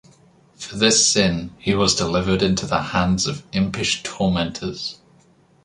For this sin, he was delivered into the hands of impish tormentors.